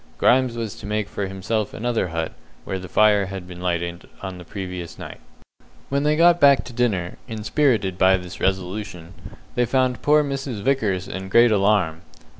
Grimes was to make for himself another hut where the fire had been lighted on the previous night. When they got back to dinner, inspirited by this resolution, they found poor Mrs. Vickers in great alarm.